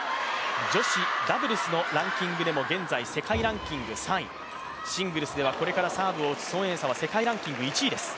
女子ダブルスのランキングでも現在世界ランキング３位、シングルスではこれからサーブを打つ孫エイ莎は世界ランキング１位です。